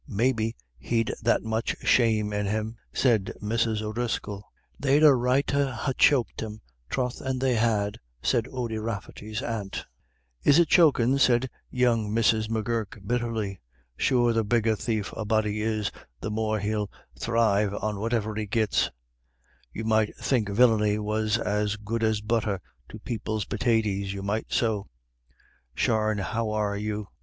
"Maybe he'd that much shame in him," said Mrs. O'Driscoll. "They'd a right to ha' choked him, troth and they had," said Ody Rafferty's aunt. "Is it chokin'?" said young Mrs. M'Gurk, bitterly. "Sure the bigger thief a body is, the more he'll thrive on whatever he gits; you might think villiny was as good as butter to people's pitaties, you might so. Sharne how are you?